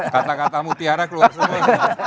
kata kata mutiara keluar semua